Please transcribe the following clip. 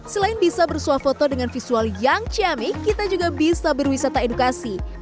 selain bisa bersuah foto dengan visual yang ciamik kita juga bisa berwisata edukasi